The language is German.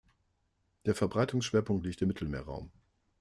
Der Verbreitungsschwerpunkt liegt im Mittelmeerraum.